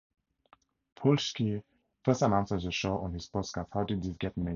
Paul Scheer first announced the show on his podcast How Did This Get Made?